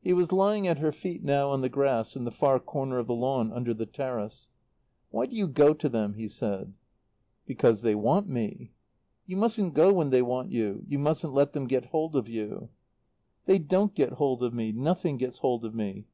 He was lying at her feet now on the grass in the far corner of the lawn under the terrace. "Why do you go to them?" he said. "Because they want me." "You mustn't go when they want you. You mustn't let them get hold of you." "They don't get hold of me nothing gets hold of me.